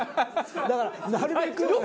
だからなるべく。